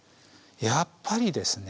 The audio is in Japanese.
やっぱりですね